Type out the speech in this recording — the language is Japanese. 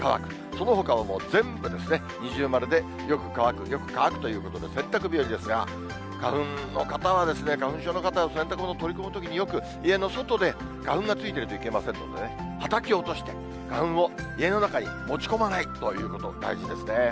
そのほかはもう、全部ですね、二重丸で、よく乾く、よく乾くということで、洗濯日和ですが、花粉の方は、花粉症の方は、洗濯物取り込むときに、よく家の外で花粉がついているといけませんのでね、はたき落として、花粉を家の中に持ち込まないということ、大事ですね。